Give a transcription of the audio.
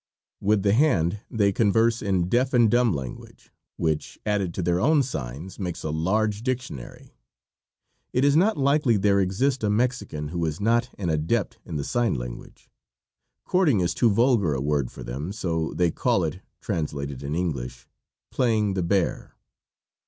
With the hand they converse in deaf and dumb language, which, added to their own signs, makes a large dictionary. It is not likely there exists a Mexican who is not an adept in the sign language. Courting is too vulgar a word for them, so they call it translated in English playing the bear.